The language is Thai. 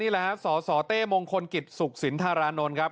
แหละฮะสสเต้มงคลกิจสุขสินธารานนท์ครับ